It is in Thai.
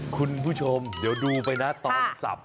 คุณผู้ชมเดี๋ยวดูไปนะตอนสับ